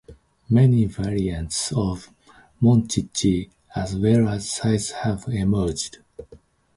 Many variants of Monchhichi as well as sizes have emerged.